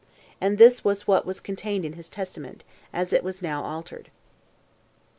And this was what was contained in his testament, as it was now altered.